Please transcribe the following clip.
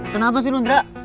kenapa sih lundra